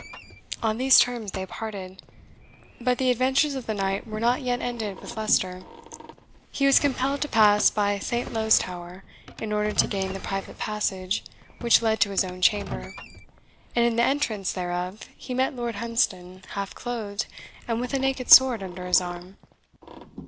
On these terms they parted, but the adventures of the night were not yet ended with Leicester. He was compelled to pass by Saintlowe's Tower, in order to gain the private passage which led to his own chamber; and in the entrance thereof he met Lord Hunsdon half clothed, and with a naked sword under his arm.